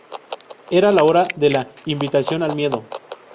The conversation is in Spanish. Era la hora de la invitación al miedo